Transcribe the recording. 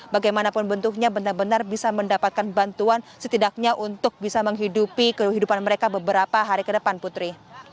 bagaimanapun bentuknya benar benar bisa mendapatkan bantuan setidaknya untuk bisa menghidupi kehidupan mereka beberapa hari ke depan putri